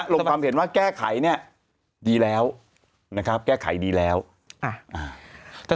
ลงความเห็นว่าแก้ไขเนี่ยดีแล้วนะครับแก้ไขดีแล้วอ่าอ่า